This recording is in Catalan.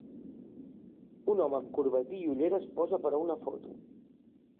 Un home amb corbatí i ulleres posa per a una foto.